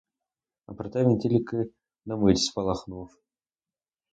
А проте він тільки на мить спалахнув.